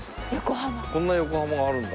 こんな横浜があるんだ。